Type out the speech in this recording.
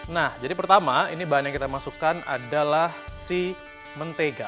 nah jadi pertama ini bahan yang kita masukkan adalah si mentega